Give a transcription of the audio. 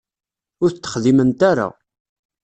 Ur t-texdiment ara.